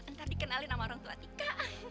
ntar dikenalin sama orang tua tika